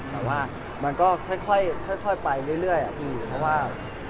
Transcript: แต่ว่ามันก็ค่อยไปเรื่อยเพราะว่า